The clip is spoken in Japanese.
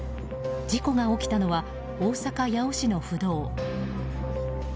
事故が起きたのは大阪・八尾市の府道。